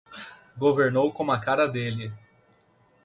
Governou como a cara dele!